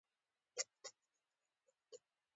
سرحدونه د افغانانو ژوند اغېزمن کوي.